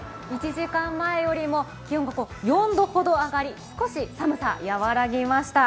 １時間前よりも気温が４度ほど上がり少し寒さがやわらぎました。